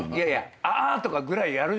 「あー」とかぐらいやる